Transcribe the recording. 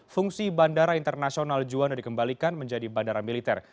fungsi bandara internasional juanda dikembalikan menjadi bandara militer